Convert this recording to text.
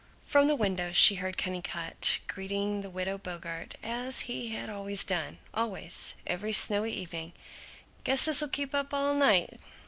From the window she heard Kennicott greeting the Widow Bogart as he had always done, always, every snowy evening: "Guess this 'll keep up all night."